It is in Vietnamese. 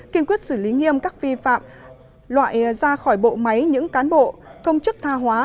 kiên quyết xử lý nghiêm các vi phạm loại ra khỏi bộ máy những cán bộ công chức tha hóa